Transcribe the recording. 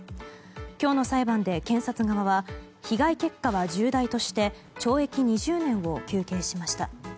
今日の裁判で検察側は被害結果は重大として懲役２０年を求刑しました。